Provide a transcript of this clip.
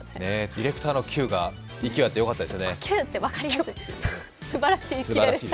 ディレクターのキューが勢いがあってよかったですね。